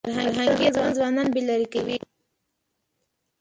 فرهنګي یرغل ځوانان بې لارې کوي.